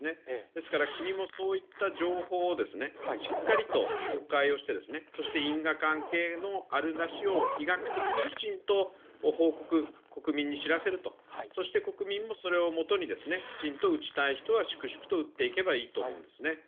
ですから、国もそういった情報をしっかりと公開をして、そして因果関係のあるなしを医学的にきちんと報告、国民に知らせると、そして国民もそれをもとに、きちんと、打ちたい人は粛々と打っていけばいいと思うんですね。